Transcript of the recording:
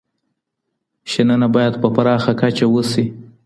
شننه باید په پراخه کچه وسي.